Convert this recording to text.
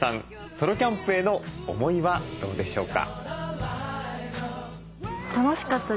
ソロキャンプへの思いはどうでしょうか。